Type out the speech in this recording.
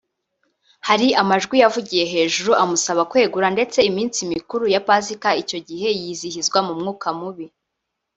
hari amajwi yavugiye hejuru amusaba kwegura ndetse iminsi mikuru ya Pasika icyo gihe yizihizwa mu mwuka mubi